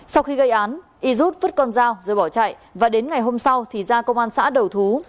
sau khi gây án y rút vứt con dao rồi bỏ chạy và đến ngày hôm sau thì ra công an xã đầu thú